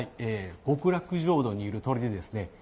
極楽浄土にいる鳥でですね